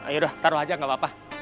ayo taruh aja gak apa apa